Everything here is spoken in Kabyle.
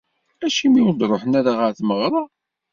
Acimi ur d-ruḥen ara ɣer tmeɣra?